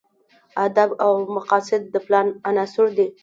اهداف او مقاصد د پلان عناصر دي.